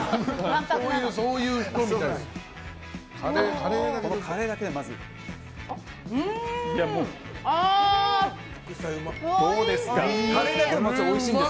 そういう人みたいです。